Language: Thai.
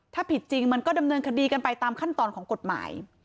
ถ้าผิดจริงมันก็ดำเนินคดีกันไปตามขั้นตอนของกฎหมาย